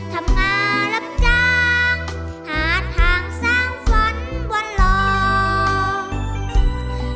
ทำงานรับจ้างอ่านทางสร้างฝนบนลอง